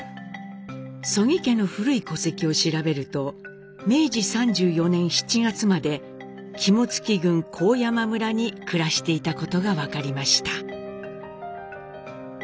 曽木家の古い戸籍を調べると明治３４年７月まで肝属郡高山村に暮らしていたことが分かりました。